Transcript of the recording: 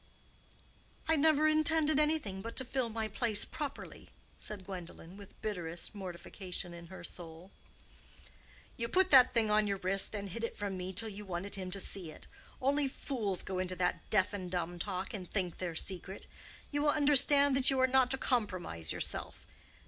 "I never intended anything but to fill my place properly," said Gwendolen, with bitterest mortification in her soul. "You put that thing on your wrist, and hid it from me till you wanted him to see it. Only fools go into that deaf and dumb talk, and think they're secret. You will understand that you are not to compromise yourself.